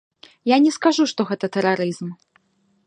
Я не скажу, што гэта тэрарызм.